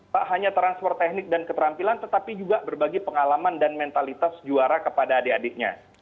tak hanya transfer teknik dan keterampilan tetapi juga berbagi pengalaman dan mentalitas juara kepada adik adiknya